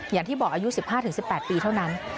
อย่างที่บอกอายุ๑๕๑๘ปีเท่านั้น